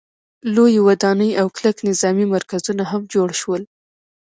لویې ودانۍ او کلک نظامي مرکزونه هم جوړ شول.